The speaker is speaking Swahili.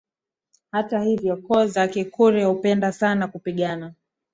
Hata hivyo koo za Kikurya hupenda sana kupigana